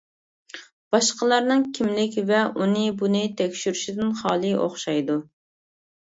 باشقىلارنىڭ كىملىك ۋە ئۇنى بۇنى تەكشۈرۈشىدىن خالىي ئوخشايدۇ.